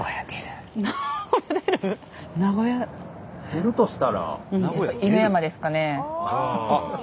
出るとしたら。